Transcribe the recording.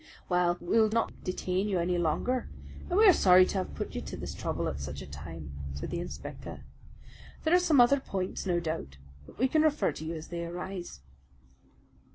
"Well, we will not detain you any longer, and we are sorry to have put you to this trouble at such a time," said the inspector. "There are some other points, no doubt; but we can refer to you as they arise."